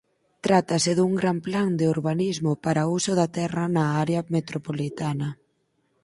Trátase dun gran plan de urbanismo para o uso da terra na área metropolitana.